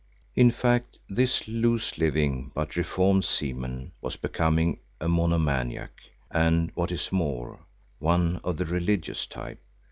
In fact, this loose living but reformed seaman was becoming a monomaniac, and what is more, one of the religious type.